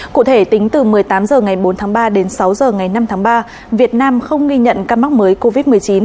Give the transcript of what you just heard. cụ thể tính từ một mươi tám h ngày bốn tháng ba đến sáu h ngày năm tháng ba việt nam không ghi nhận ca mắc mới covid một mươi chín